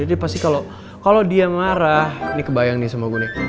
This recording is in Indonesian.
jadi pasti kalau dia marah ini kebayang nih sama gue nih